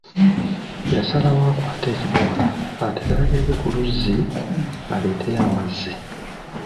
Yasalawo akwate ekidomola atere agende ku luzzi aleeteyo amazzi.